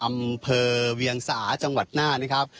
อำเภอเวียงสาจังหวัดน่านนะครับ